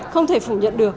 không thể phủ nhận